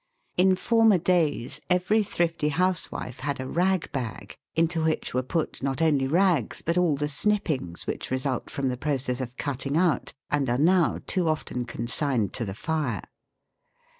In former days every thrifty housewife had a " rag bag/' into which were put not only rags, but all the snippings which result from the process of "cutting out," and are now too often consigned to the fire.